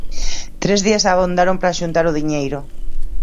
Tres días abondaron para xuntar o diñeiro.